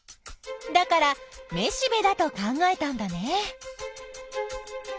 だからめしべだと考えたんだね。